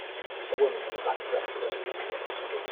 A woman in a black dress waiting to cross the street.